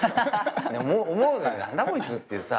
思う何だこいつっていうさ。